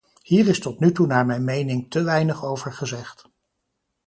Hier is tot nu toe naar mijn mening te weinig over gezegd.